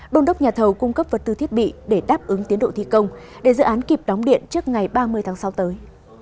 đôn đốc nhà thầu cung cấp vật tư thiết bị để đáp ứng tiến độ thi công để dự án kịp đóng điện trước ngày ba mươi tháng sáu tới